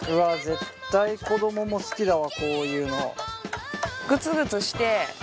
絶対子供も好きだわこういうの。